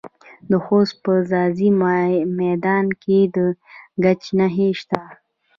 د خوست په ځاځي میدان کې د ګچ نښې شته.